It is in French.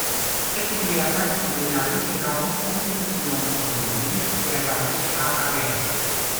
Cette écurie a participé à différentes compétitions automobiles et est basée à Alès.